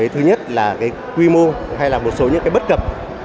thứ nhất là cái quy mô hay là một số những cái bất cập